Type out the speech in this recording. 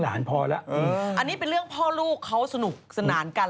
อันนี้เป็นเรื่องพ่อลูกเขาสนุกสนานกัน